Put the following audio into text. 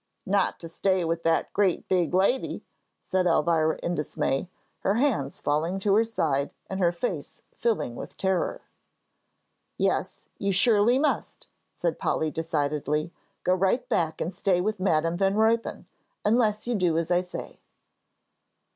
"Not to stay with that great big lady," said Elvira, in dismay, her hands falling to her side and her face filling with terror. "Yes, you surely must," said Polly, decidedly, "go right back and stay with Madam Van Ruypen, unless you do as I say."